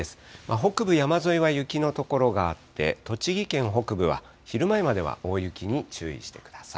北部山沿いは雪の所があって、栃木県北部は昼前までは大雪に注意してください。